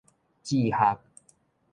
志學